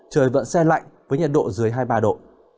trời vẫn xe lạnh với nhiệt độ dưới hai mươi ba độ